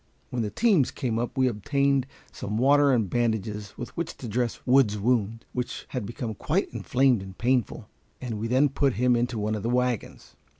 When the teams came up we obtained some water and bandages with which to dress Wood's wound, which had become quite inflamed and painful, and we then put him into one of the wagons.